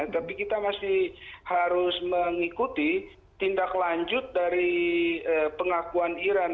tapi kita masih harus mengikuti tindak lanjut dari pengakuan iran